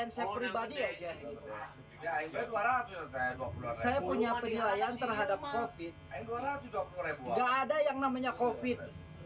saya pribadi aja saya punya penilaian terhadap covid sembilan belas nggak ada yang namanya covid sembilan belas